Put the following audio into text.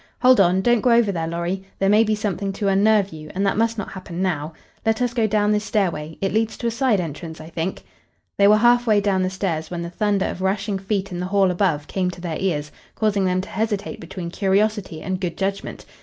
Hold on! Don't go over there, Lorry. There may be something to unnerve you, and that must not happen now. Let us go down this stairway it leads to a side entrance, I think." They were half way down the stairs when the thunder of rushing feet in the hall above came to their ears, causing them to hesitate between curiosity and good judgment.